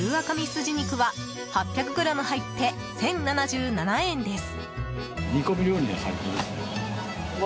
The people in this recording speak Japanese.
スジ肉は８００ｇ入って１０７７円です。